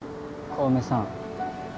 小梅さん。